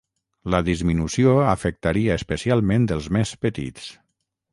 La disminució afectaria especialment els més petits.